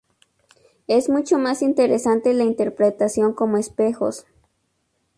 Es mucho más interesante la interpretación como espejos.